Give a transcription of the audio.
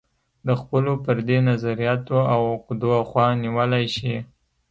د خپلو فردي نظریاتو او عقدو خوا نیولی شي.